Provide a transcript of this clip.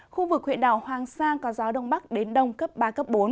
khu vực huyện đảo hoàng sa có gió đông bắc đến đông cấp ba cấp bốn